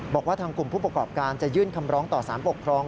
บอกว่าทางกลุ่มผู้ประกอบการจะยื่นคำร้องต่อสารปกครอง